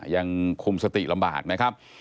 ยังคุมสติลำบากนะครับ